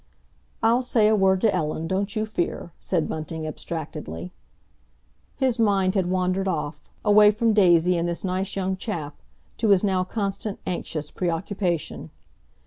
"I'll say a word to Ellen, don't you fear," said Bunting abstractedly. His mind had wandered off, away from Daisy and this nice young chap, to his now constant anxious preoccupation.